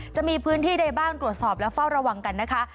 จะมีพื้นที่ใดบ้างตรวจสอบและเฝ้าระวังกันนะคะ